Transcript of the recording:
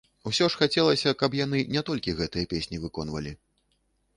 Усё ж хацелася, каб яны не толькі гэтыя песні выконвалі.